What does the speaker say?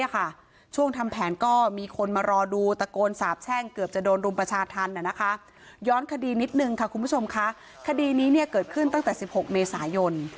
คุณผู้ชมคะคดีนี้เกิดขึ้นตั้งแต่๑๖เมษายน